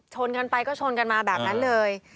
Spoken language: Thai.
ชนกันไปก็ชนกันมาแบบนั้นเลย